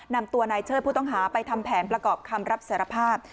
นำตัวนายเชิดผู้ต้องหาไปทำแผนประกอบคำรับสารภาพ